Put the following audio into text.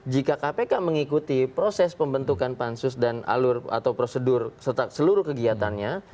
jika kpk mengikuti proses pembentukan pansus dan alur atau prosedur seluruh kegiatannya